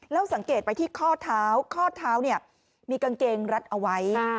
แล้วสังเกตไปที่ข้อเท้าข้อเท้าเนี่ยมีกางเกงรัดเอาไว้